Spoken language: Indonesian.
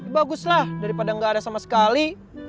baguslah daripada nggak ada sama sekali